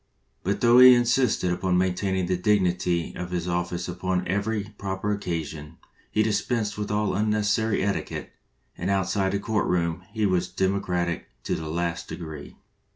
But though he insisted upon maintaining the dignity of his office upon every proper occasion, he dispensed with all unnecessary etiquelie, and outside the court room he was democratic to the last degree.